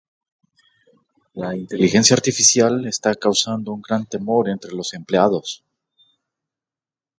La Inteligencia Artificial está causando un gran temor entre los empleados